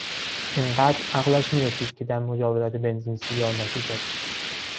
اینقدر عقلش میرسید که در مجاورت بنزین سیگار نکشد.